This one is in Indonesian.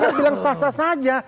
saya bilang sah sah saja